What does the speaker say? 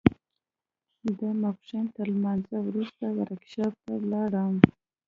د ماسپښين تر لمانځه وروسته ورکشاپ ته ولاړم.